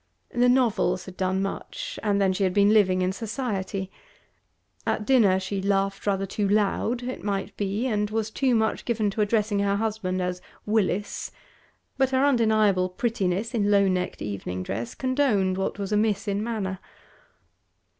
The novels had done much; and then she had been living in society. At dinner she laughed rather too loud, it might be, and was too much given to addressing her husband as 'Willis;' but her undeniable prettiness in low necked evening dress condoned what was amiss in manner.